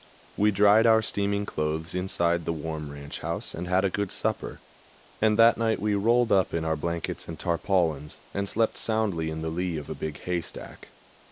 We dried our steaming clothes inside the warm ranch house and had a good supper, and that night we rolled up in our blankets and tarpaulins, and slept soundly in the lee of a big haystack.